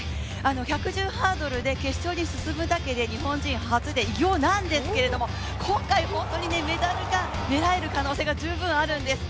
１１０ｍハードルで決勝に進むだけで日本初で偉業なんですけど今回、本当にメダルが狙える可能性が十分あるんです。